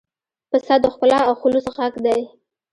پسه د ښکلا او خلوص غږ دی.